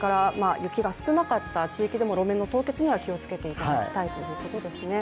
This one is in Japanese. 雪が少なかった地域でも路面の凍結には気をつけていただきたいということですね。